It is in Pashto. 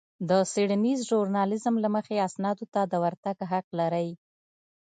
د څېړنيز ژورنالېزم له مخې اسنادو ته د ورتګ حق لرئ.